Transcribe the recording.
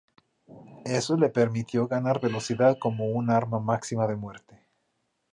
Eso le permitió ganar velocidad como un arma máxima de muerte.